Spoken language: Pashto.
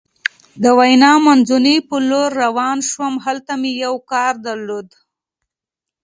د ویا مانزوني په لورې روان شوم، هلته مې یو کار درلود.